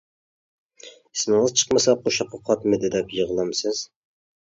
ئىسمىڭىز چىقمىسا، قوشاققا قاتمىدى دەپ يىغلامسىز.